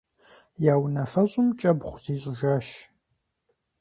Я унафэщӏым кӀэбгъу зищӀыжащ.